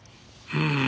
うん。